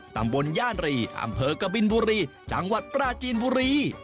ตำบลย่านรีอำเภอกบินบุรีจังหวัดปราจีนบุรี